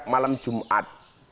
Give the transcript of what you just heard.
setiap malam jumat